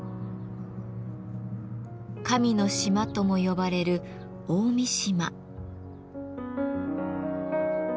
「神の島」とも呼ばれる大三島。